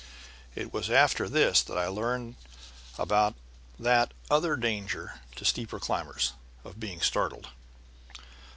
It was after this that I learned about that other danger to steeple climbers, of being startled.